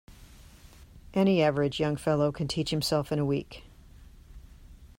Any average young fellow can teach himself in a week.